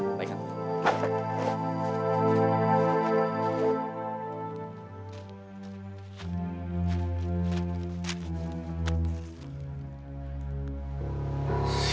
salamat salamat gusti